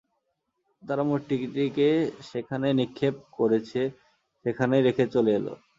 তারা মূর্তিটিকে যেখানে নিক্ষেপ করেছে সেখানেই রেখে চলে এল।